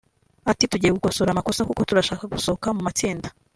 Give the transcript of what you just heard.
ati “Tugiye gukosora amakosa kuko turashaka gusohoka mu matsinda